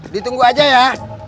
ditunggu aja ya